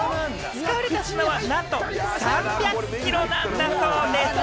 使われた砂は、なんと３００キロなんだそうでぃす！